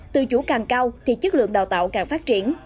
tự chủ càng cao thì chất lượng đào tạo càng phát triển